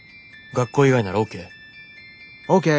「学校以外ならＯＫ？」。